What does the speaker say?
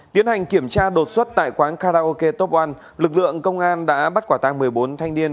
tiến hành kiểm tra đột xuất tại quán karaoke top oan lực lượng công an đã bắt quả tăng một mươi bốn thanh niên